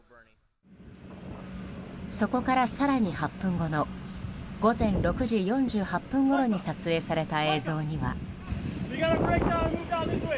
そこから更に８分後の午前６時４８分ごろに撮影された映像には。